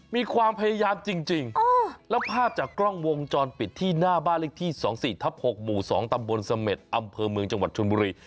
มีความพยายามจริงแล้วภาพจากกล้องวงจรปิดที่หน้าบ้านเลขที่๒๔ทับ๖หมู่๒ตำบลเสม็ดอำเภอเมืองจังหวัดชนบุรี